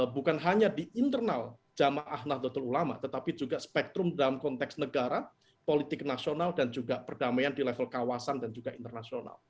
bukan hanya di internal jamaah nahdlatul ulama tetapi juga spektrum dalam konteks negara politik nasional dan juga perdamaian di level kawasan dan juga internasional